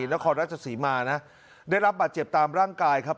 นครราชศรีมานะได้รับบาดเจ็บตามร่างกายครับ